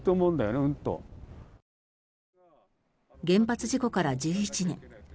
原発事故から１１年。